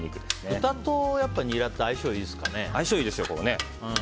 豚とニラってやっぱり相性いいですかね。